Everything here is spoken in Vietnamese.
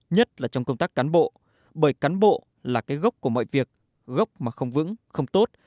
nhất là trong công tác cán bộ bởi cán bộ là cái gốc của mọi việc gốc mà không vững không tốt